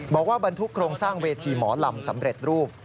บอกว่าบรรทุกโครงสร้างเวทีหมอลำสำเร็จรูป